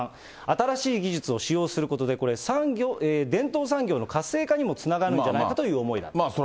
新しい技術を使用することで、これ、伝統産業の活性化にもつながるんじゃないかという思いだと。